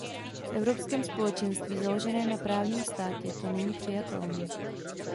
V Evropském společenství založeném na právním státě to není přijatelné.